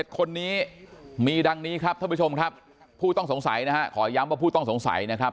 ๗คนนี้มีดังนี้ครับท่านผู้ชมครับผู้ต้องสงสัยนะฮะขอย้ำว่าผู้ต้องสงสัยนะครับ